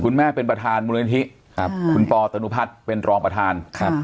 แม่เป็นประธานมูลนิธิครับคุณปอตนุพัฒน์เป็นรองประธานครับ